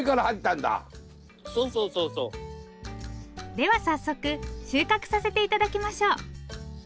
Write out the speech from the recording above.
では早速収穫させて頂きましょう。